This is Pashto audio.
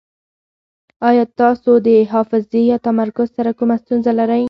ایا تاسو د حافظې یا تمرکز سره کومه ستونزه لرئ؟